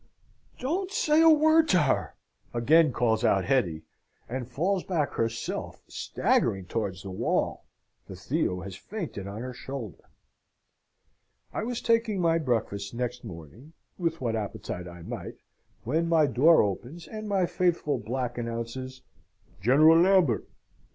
Don't say a word to her!" again calls out Hetty, and falls back herself staggering towards the wall, for Theo has fainted on her shoulder. I was taking my breakfast next morning, with what appetite I might, when my door opens, and my faithful black announces, "General Lambert."